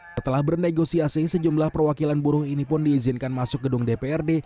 setelah bernegosiasi sejumlah perwakilan buruh ini pun diizinkan masuk gedung dprd